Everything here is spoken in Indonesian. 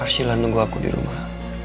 arsila nunggu aku di rumah